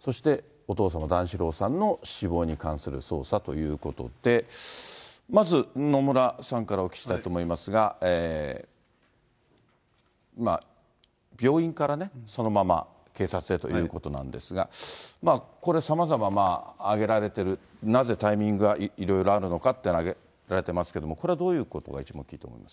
そしてお父様、段四郎さんの死亡に関する捜査ということで、まず野村さんからお聞きしたいと思いますが、病院からそのまま警察へということなんですが、これ、さまざま挙げられている、なぜタイミングがいろいろあるのかっていわれていますけれども、これはどういうことが一番大きいと思いますか。